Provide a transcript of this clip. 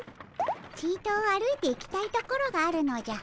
ちと歩いていきたいところがあるのじゃ。